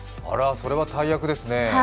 それは大役ですね。